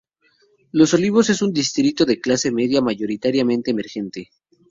Los Olivos es un distrito de clase media, mayoritariamente emergente.